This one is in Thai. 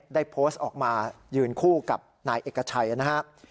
ได้โพสต์ออกมายืนคู่กับนายเอกชัยนะครับ